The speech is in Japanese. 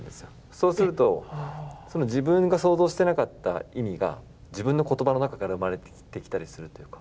そうすると自分が想像してなかった意味が自分の言葉の中から生まれてきたりするというか。